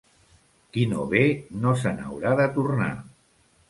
Qui no ve, no se n'haurà de tornar.